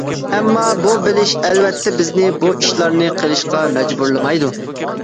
ئەمما بۇ بىلىش ئەلۋەتتە بىزنى بۇ ئىشلارنى قىلىشقا مەجبۇرلىمايدۇ.